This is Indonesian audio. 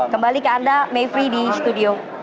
kembali ke anda mayfrey di studio